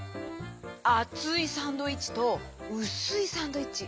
あついサンドイッチとうすいサンドイッチ。